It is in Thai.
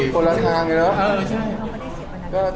คนละครใช่ไหม